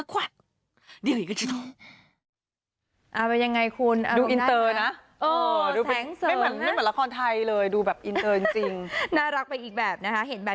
คุณลองการต่อทางประคุณเข้าใจระวังนะ